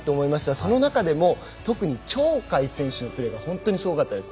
その中でも特に鳥海選手のプレーは本当にすごかったです。